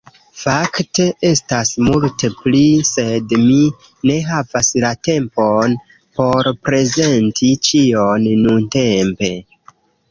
Fakte, estas multe pli sed mi ne havas la tempon por prezenti ĉion nuntempe